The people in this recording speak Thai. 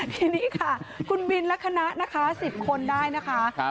ทีนี้ค่ะคุณบินและคณะนะคะ๑๐คนได้นะคะ